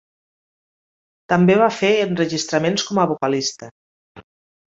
També va fer enregistraments com a vocalista.